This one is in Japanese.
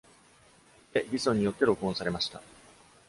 チェ・ギソンによって録音されました。